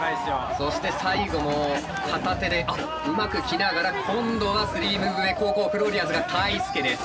そして最後も片手であっうまく来ながら今度は３ムーブ目後攻フローリアーズがＴＡＩＳＵＫＥです。